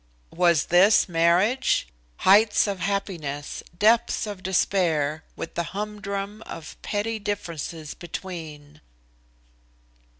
Was this marriage heights of happiness, depths of despair, with the humdrum of petty differences between?